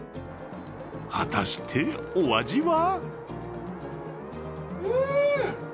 果たしてお味は？